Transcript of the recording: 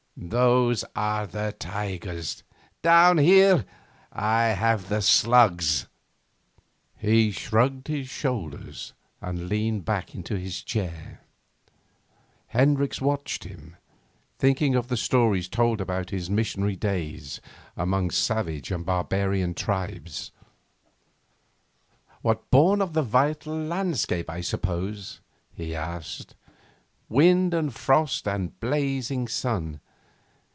Those are the tigers; down here I have the slugs!' He shrugged his shoulders and leaned back into his chair. Hendricks watched him, thinking of the stories told about his missionary days among savage and barbarian tribes. 'Born of the vital landscape, I suppose?' he asked. 'Wind and frost and blazing sun.